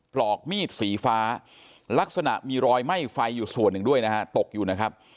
ปลอกมีดสีฟ้าลักษณะมีรอยไหม้ไฟอยู่ส่วนหนึ่งด้วยนะฮะตกอยู่นะครับ